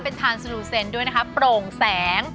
เป็นทานสลูเซนด้วยนะคะโปร่งแสง